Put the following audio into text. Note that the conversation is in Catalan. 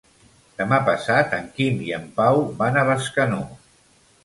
Demà passat en Quim i en Pau van a Bescanó.